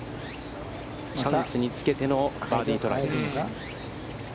チャンスにつけてのバーディートライです。